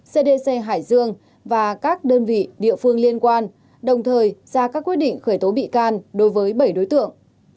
cdc hải dương và các đơn vị địa phương liên quan đồng thời ra các quyết định khởi tố bị can đối với bảy đối tượng